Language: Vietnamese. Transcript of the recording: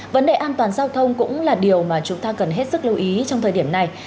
vấn đề an toàn giao thông cũng là điều mà chúng ta cần hết sức lưu ý trong thời điểm này